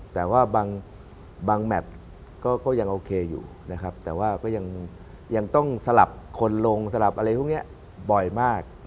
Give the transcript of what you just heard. แต่ว่าบางแมทก็ยังโอเคอยู่นะครับแต่ว่าก็ยังต้องสลับคนลงสลับอะไรพวกนี้บ่อยมาก